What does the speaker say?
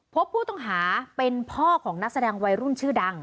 พบผู้ต้องหาเป็นพ่อของนักแสดงวัยรุ่นชื่อดัง